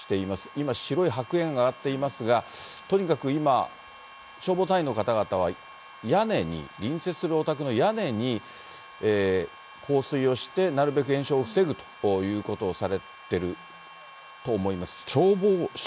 今、白い白煙が上がっていますが、とにかく今、消防隊員の方々は、屋根に、隣接するお宅の屋根に放水をして、なるべく延焼を防ぐということをされてると思います。